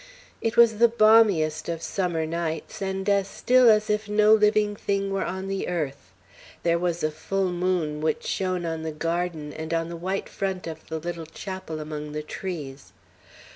It was the balmiest of summer nights, and as still as if no living thing were on the earth. There was a full moon, which shone on the garden, and on the white front of the little chapel among the trees.